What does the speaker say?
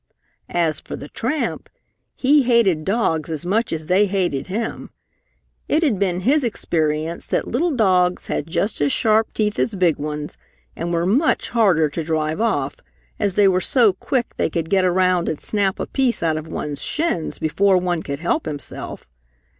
As for the tramp, he hated dogs as much as they hated him. It had been his experience that little dogs had just as sharp teeth as big ones and were much harder to drive off, as they were so quick they could get around and snap a piece out of one's shins before one could help himself.